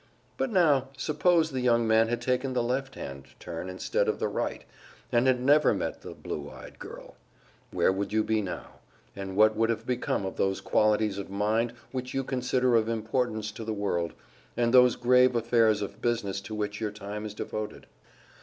But now, suppose the young man had taken the left hand turn instead of the right, and had never met the blue eyed girl; where would you be now, and what would have become of those qualities of mind which you consider of importance to the world, and those grave affairs of business to which your time is devoted?